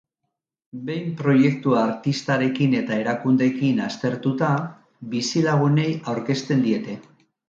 Behin proiektua artistarekin eta erakundeekin aztertuta, bizilagunei aurkezten diete.